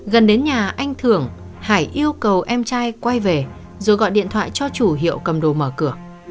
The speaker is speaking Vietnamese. gần đến nhà anh thưởng hải yêu cầu em trai quay về rồi gọi điện thoại cho chủ hiệu cầm đồ mở cửa